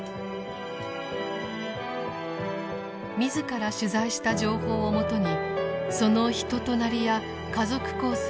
自ら取材した情報をもとにその人となりや家族構成